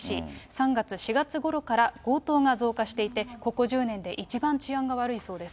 ３月、４月ごろから強盗が増加していて、ここ１０年で一番治安が悪いそうです。